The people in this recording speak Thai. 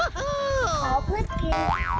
ขอเพื่อนกิน